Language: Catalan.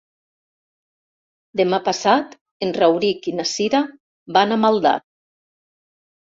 Demà passat en Rauric i na Cira van a Maldà.